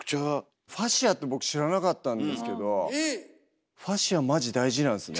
ファシアって僕知らなかったんですけどファシアマジ大事なんすね。